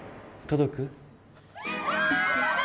届く？